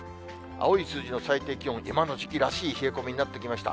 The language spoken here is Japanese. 青い数字の最低気温、今の時期らしい冷え込みになってきました。